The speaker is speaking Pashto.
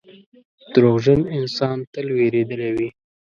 • دروغجن انسان تل وېرېدلی وي.